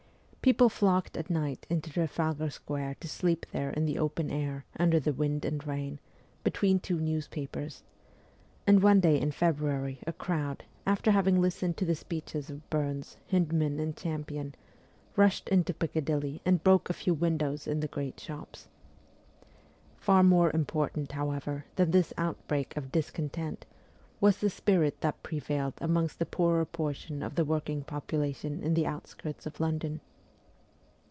People flocked at night into Trafalgar Square to sleep there in the open air, under the wind and rain, between two newspapers ; and one day in February a crowd, after having listened to the speeches of Burns, Hyndman, and Champion, rushed into Piccadilly and broke a few windows in the great shops. Far more important, however, than this outbreak of discontent, was the spirit which prevailed amongst the poorer portion of the working population WESTERN EUROPE 311 in the outskirts of London.